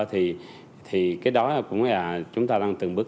thì cái đó cũng là chúng ta đang từng bước